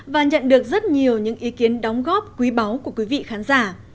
và nhận được rất nhiều những ý kiến đóng góp quý báu của quý vị khán giả